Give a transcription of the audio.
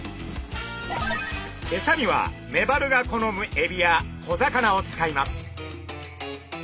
エサにはメバルが好むエビや小魚を使います。